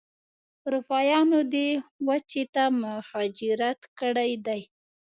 اروپایانو دې وچې ته مهاجرت کړی دی.